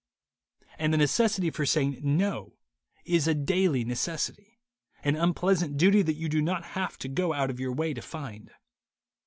And the necessity for saying No is a daily necessity, an unpleasant duty that you do not have to go out of your way to find.